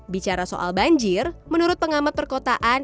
bicara soal banjir menurut pengamat perkotaan